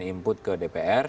kami yang memberikan input ke dpr